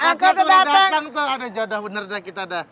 angkotnya tuh udah datang tuh ada jadah bener deh kita dah